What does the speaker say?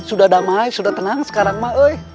sudah damai sudah tenang sekarang mak